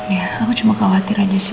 ya aku cuma khawatir aja sih